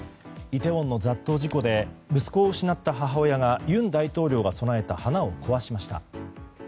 イテウォンの雑踏事故で息子を失った母親が尹大統領が供えた花を壊しました。